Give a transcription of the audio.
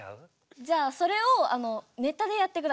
じゃあそれをネタでやってください。